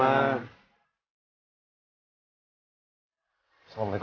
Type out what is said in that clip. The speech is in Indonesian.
acing kos di rumah aku